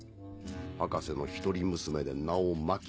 博士の一人娘で名をマキ。